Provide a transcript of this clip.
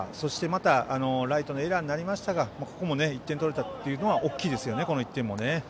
またライトのエラーになりましたがここも１点取れたというのは大きいですね、この１点も。